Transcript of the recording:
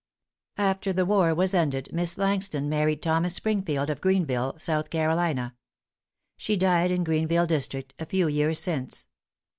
After the war was ended, Miss Langston married Thomas Springfield, of Greenville, South Carolina. She died in Greenville District, a few years since.